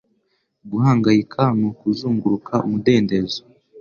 Guhangayika ni ukuzunguruka umudendezo.”